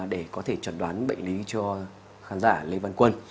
để có thể trần đoán bệnh lý cho khán giả lê văn quân